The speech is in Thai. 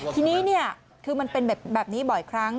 ทีนี้คือมันเป็นแบบนี้บ่อยครั้ง